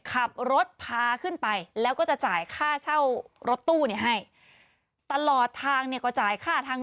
ขับรถพาขึ้นไปแล้วก็จะจ่ายค่าเช่ารถตู้เนี่ยให้ตลอดทางเนี่ยก็จ่ายค่าทาง